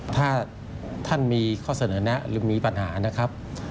ถ้าท่านมีข้อเสนอแนะหรือมีปัญหานะครับ